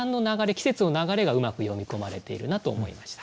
季節の流れがうまく詠み込まれているなと思いました。